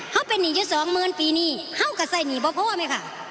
เขาเป็นอย่างอย่างสองหมื่นปีนี้เขาก็ใส่หนีบ่อยพอไหมค่ะ